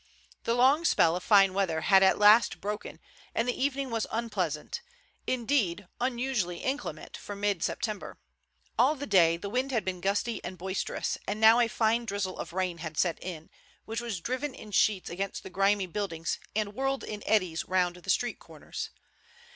The long spell of fine weather had at last broken, and the evening was unpleasant, indeed unusually inclement for mid September. All day the wind had been gusty and boisterous, and now a fine drizzle of rain had set in, which was driven in sheets against the grimy buildings and whirled in eddies round the street corners.